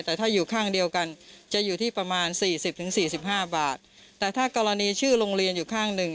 แต่ถ้าอยู่ข้างเดียวกันจะอยู่ที่ประมาณ๔๐๔๕บาทแต่ถ้ากรณีชื่อโรงเรียนอยู่ข้างหนึ่ง